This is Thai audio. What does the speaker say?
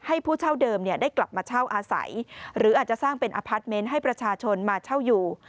ผู้เช่าเดิมได้กลับมาเช่าอาศัยหรืออาจจะสร้างเป็นอพาร์ทเมนต์ให้ประชาชนมาเช่าอยู่